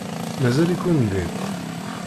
Mazal-iken din?